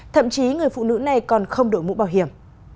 thậm chí người phụ nữ này còn không đổi mũ bảo hiểm